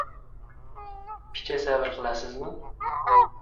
Picha sabr qilasizmi?